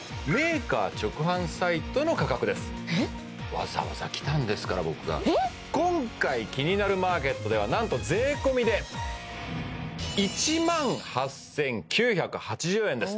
わざわざ来たんですから僕が今回「キニナルマーケット」ではなんと税込で１万８９８０円です